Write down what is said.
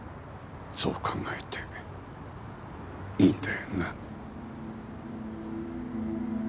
そう考えていいんだよな？